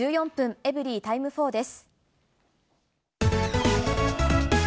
エブリィタイム４です。